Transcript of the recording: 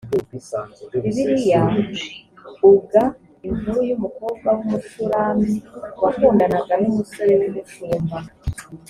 bibiliya uga inkuru y umukobwa w umushulami wakundanaga n umusore w umushumba